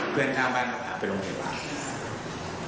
เพื่อนข้างบ้านเข้าไปลงไหนแล้ว